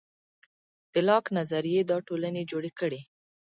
د لاک نظریې دا ټولنې جوړې کړې.